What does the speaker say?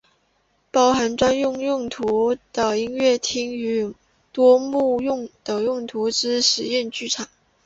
包含专门用途的音乐厅与多目的用途之实验剧场。